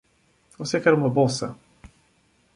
Você quer uma bolsa?